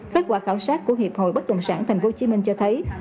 kết quả khảo sát của hiệp hội bất đồng sản thành phố hồ chí minh cho thấy